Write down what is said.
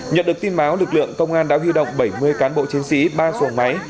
nhận được tin báo lực lượng công an đã huy động bảy mươi cán bộ chiến sĩ ba xuồng máy